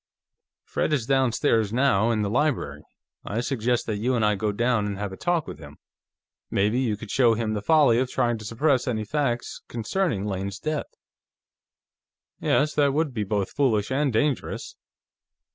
"Fred is downstairs, now, in the library; I suggest that you and I go down and have a talk with him. Maybe you could show him the folly of trying to suppress any facts concerning Lane's death." "Yes, that would be both foolish and dangerous."